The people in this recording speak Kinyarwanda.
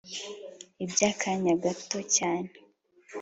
ibya kanya gato cyane.